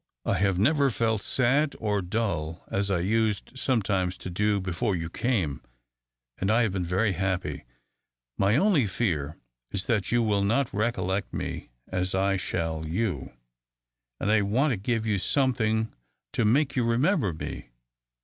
"I have never felt sad or dull as I used sometimes to do before you came and I have been very happy! My only fear is that you will not recollect me as I shall you; and I want to give you something to make you remember me.